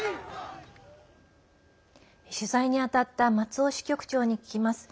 取材に当たった松尾支局長に聞きます。